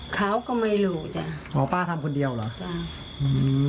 เขาก็ไม่รู้จ้ะหมอป้าทำคนเดียวเหรอจ้ะอืม